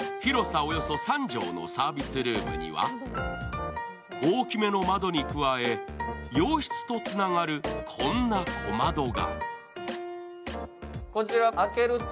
およそ３畳のサービスルームには大きめの窓に加え、洋室とつながるこんな小窓が。